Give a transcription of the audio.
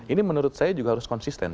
ini menurut saya juga harus konsisten